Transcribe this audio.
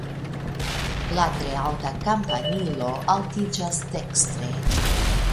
La tre alta kampanilo altiĝas dekstre.